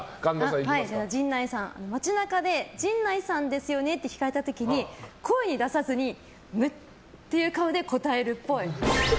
街中で陣内さんですよね？って聞かれた時に声に出さずに、ムッていう顔で答えるっぽい。